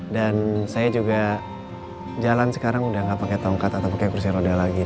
dan saya juga jalan sekarang udah gak pake tongkat atau pake kursi roda lagi